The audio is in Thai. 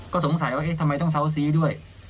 ก็สงสัยว่าเอ๊ะทำไมต้องเซาซีด้วย